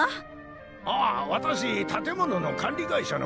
ああ私建物の管理会社の者です。